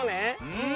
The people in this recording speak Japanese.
うん。